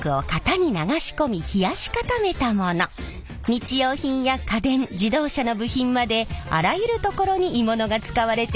日用品や家電自動車の部品まであらゆるところに鋳物が使われています。